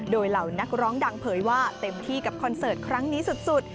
โดยเหล่านักร้องดังเผยว่าเต็มที่กับคอนเสิร์ตครั้งนี้สุด